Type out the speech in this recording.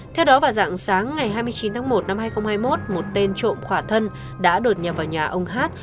theo đó vào dạng sáng ngày hai mươi chín tháng một năm hai nghìn hai mươi một một tên trộm khả thân đã đột nhập vào nhà ông hát